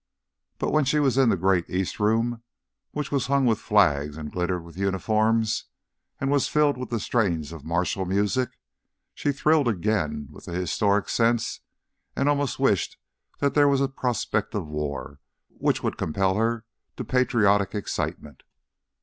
But when she was in the great East Room, which was hung with flags and glittered with uniforms, and was filled with the strains of martial music, she thrilled again with the historical sense, and almost wished there was a prospect of a war which would compel her to patriotic excitement.